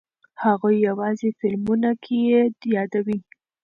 هغوی یوازې فلمونو کې یې یادوي.